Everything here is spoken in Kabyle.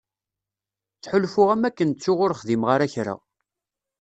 Ttḥulfuɣ am wakken ttuɣ ur xdimeɣ ara kra.